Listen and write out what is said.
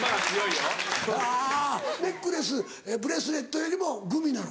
あぁネックレスブレスレットよりもグミなの？